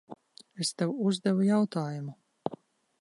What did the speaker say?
Es tev uzdevu jautājumu.